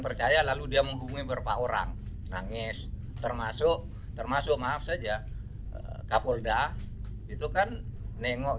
percaya lalu dia menghubungi berapa orang nangis termasuk termasuk maaf saja kapolda itu kan nengok